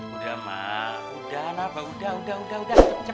udah mak udah udah udah